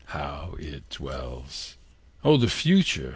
How it dwells On the future!